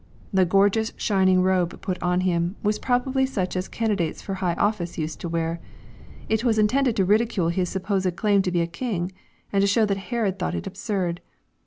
The gorgeous or shining robe put on Him, was probably such as candidates for high ofl&ce used to wear. It was intended to ridicule His supposed claim to be a king, and to show that Herod thought it absurd.